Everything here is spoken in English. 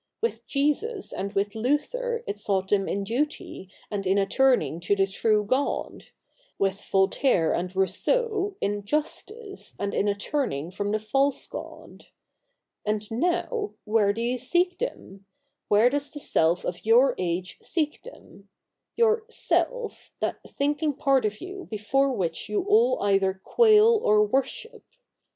AVith Jesus and with Luther it sought them in duty and in a turning to the true God ; with Voltaire and Rousseau, in justice, and in a turning from the false God. And now, where do you seek them ? Where does the Self of your age seek them — your Self, that thinking part of you before which you all either quail or worship